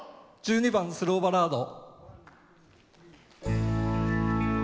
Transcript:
１２番「スローバラード」。